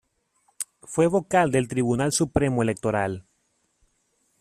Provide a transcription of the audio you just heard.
Fue vocal del Tribunal Supremo Electoral.